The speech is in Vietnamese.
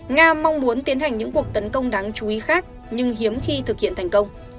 nga mong muốn tiến hành những cuộc tấn công đáng chú ý khác nhưng hiếm khi thực hiện thành công